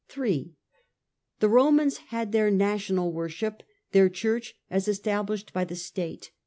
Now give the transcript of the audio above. (3) The Romans had their national worship, their church as established by the state.